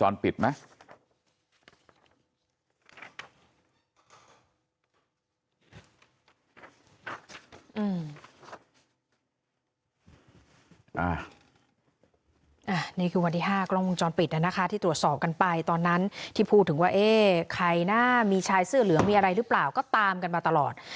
นี่คือวันที่๕กล้องวงจรปิดนะคะที่ตรวจสอบกันไปตอนนั้นที่พูดถึงว่าเอ๊ะใครนะมีชายเสื้อเหลืองมีอะไรหรือเปล่าก็ตามกันมาตลอด